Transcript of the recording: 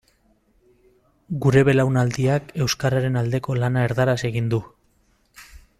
Gure belaunaldiak euskararen aldeko lana erdaraz egin du.